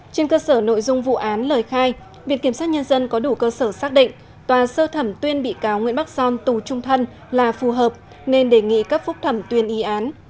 trên cơ sở nội dung vụ án lời khai viện kiểm sát nhân dân có đủ cơ sở xác định tòa sơ thẩm tuyên bị cáo nguyễn bắc son tù trung thân là phù hợp nên đề nghị cấp phúc thẩm tuyên y án